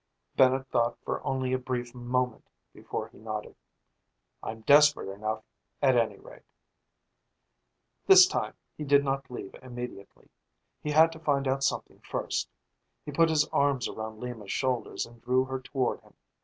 Bennett thought for only a brief moment before he nodded. "I'm desperate enough, at any rate." This time he did not leave immediately. He had to find out something first. He put his arms around Lima's shoulders and drew her toward him.